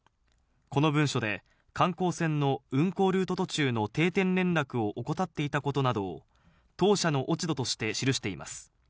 この文書で、観光船の運航ルート途中の定点関連を怠っていたことなどを、当社の落ち度として記しています。